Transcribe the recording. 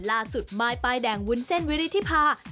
ล่าสุดมายปลายแดงวุ้นเส้นวิธิพาค่ะ